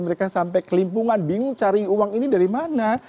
mereka sampai kelimpungan bingung cari uang ini dari mana